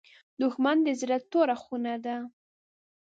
دښمن د زړه توره خونه ده